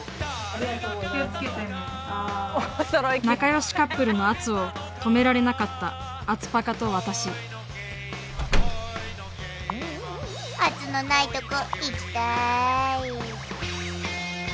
仲よしカップルの圧を止められなかったアツパカと私圧のないとこ行きたい。